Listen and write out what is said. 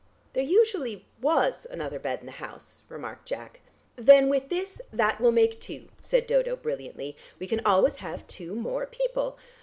"There usually was another bed in the house," remarked Jack. "Then with this that will make two," said Dodo brilliantly. "We can always have two more people.